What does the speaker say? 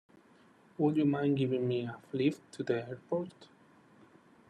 Would you mind giving me a lift to the airport?